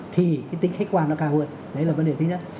thì cái tính khách quan nó cao hơn đấy là vấn đề thứ nhất